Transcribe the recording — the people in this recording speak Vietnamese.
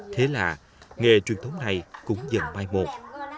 thế là nghề truyền thống này cũng dần mai một